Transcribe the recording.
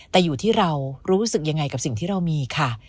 แต่อยู่ที่เรารู้สึกยังไงกับสิ่งที่เรามีค่ะ